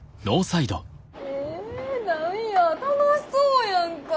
へえ何や楽しそうやんか。